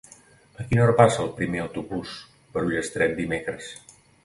A quina hora passa el primer autobús per Ullastret dimecres?